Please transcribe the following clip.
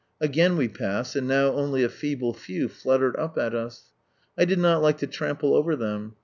\gain we passed, and now only a feeble few fluttered up at us. 1 did not like to trample over them.